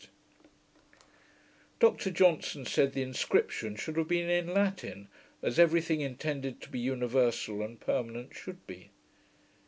] Dr Johnson said, the inscription should have been in Latin, as every thing intended to be universal and permanent, should be.